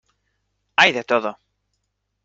hay de todo.